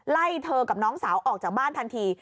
ไล่เธอกับน้องสาวออกจากบ้านทันที